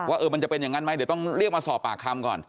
ว่ามันจะเป็นอย่างนั้นไหมเดี๋ยวต้องเรียกมาสอบปากคำก่อน